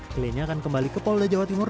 kliennya akan kembali ke polda jawa timur